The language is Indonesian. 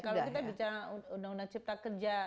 kalau kita bicara undang undang cipta kerja